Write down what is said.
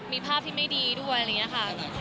มีภาพที่ไม่ดีด้วยอะไรอย่างนี้ค่ะ